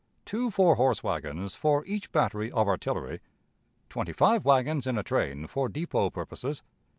Two "" wagons " each battery of artillery. Twenty five wagons in a train for depot purposes.